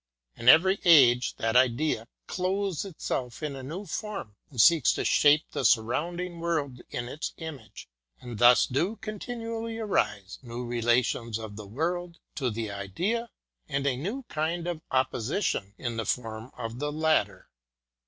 In every age that Idea clothes itself in a new form, and seeks to shape the surrounding world in its image, and thus do continually arise new relations of the world to the Idea, and a new kind OF ACADEMICAL FREEDOM. 179 of opposition of the former to the latter.